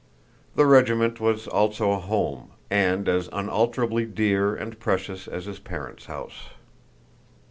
The regiment was also a home, and as unalterably dear and precious as his parents' house.